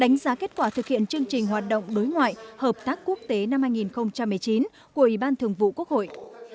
đánh giá kết quả thực hiện chương trình hoạt động đối ngoại hợp tác quốc tế năm hai nghìn một mươi chín của ủy ban thường vụ quốc hội